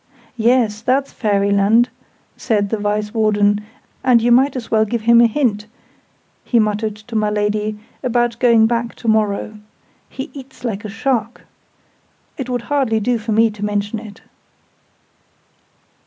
"Yes, that's Fairyland," said the Vice warden: "and you might as well give him a hint," he muttered to my Lady, "about going back to morrow. He eats like a shark! It would hardly do for me to mention it."